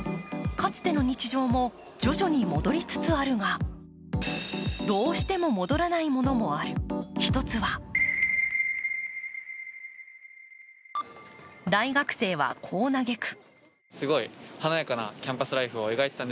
かつての日常も徐々に戻りつつあるが、どうしても戻らないものもある一つは大学生は、こう嘆く。